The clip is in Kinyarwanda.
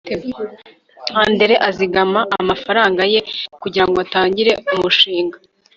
andre azigama amafaranga ye kugirango atangire umushinga